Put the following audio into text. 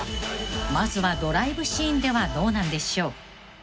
［まずはドライブシーンではどうなんでしょう？］